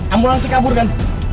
ambulansi kabur kan